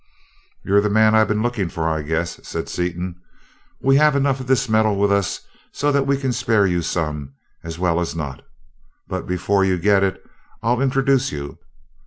"You're the man I've been looking for, I guess," said Seaton. "We have enough of this metal with us so that we can spare you some as well as not. But before you get it, I'll introduce you.